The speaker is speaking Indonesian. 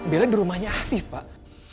bella di rumahnya asik pak